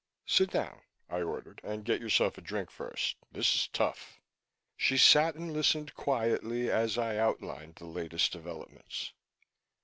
"Sit down!" I ordered, "and get yourself a drink first. This is tough." She sat and listened quietly as I outlined the latest developments.